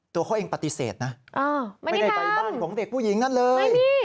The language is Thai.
ตัวเขาเองปฏิเสธนะไม่ได้ไปบ้านของเด็กผู้หญิงนั่นเลย